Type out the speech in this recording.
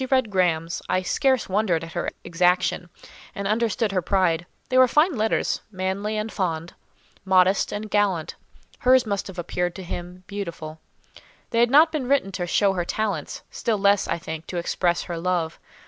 As I read Graham's, I scarce wondered at her exaction, and understood her pride: they were fine letters—manly and fond—modest and gallant. Hers must have appeared to him beautiful. They had not been written to show her talents; still less, I think, to express her love.